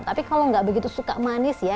tapi kalau nggak begitu suka manis ya